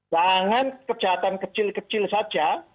jangan kejahatan kecil kecil saja